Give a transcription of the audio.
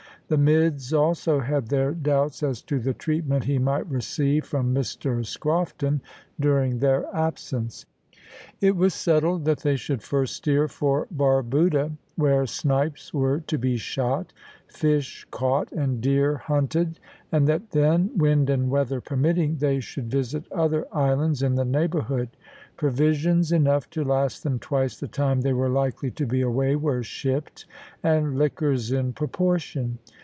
The mids also had their doubts as to the treatment he might receive from Mr Scrofton during their absence. It was settled that they should first steer for Barbuda, where snipes were to be shot, fish caught, and deer hunted, and that then, wind and weather permitting, they should visit other islands in the neighbourhood. Provisions enough to last them twice the time they were likely to be away were shipped, and liquors in proportion.